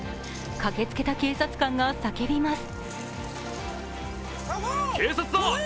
駆けつけた警察官が叫びます。